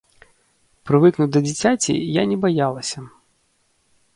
Прывыкнуць да дзіцяці я не баялася.